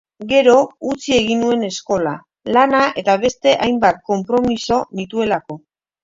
Gero utzi egin nuen eskola, lana eta beste hainbat konpromiso nituelako.